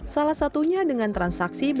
salah satunya dengan transaksi